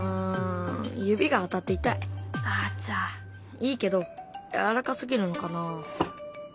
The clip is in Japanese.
いいけどやわらかすぎるのかな？